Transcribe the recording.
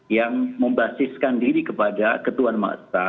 yang membasiskan diri kepada ketuan maksa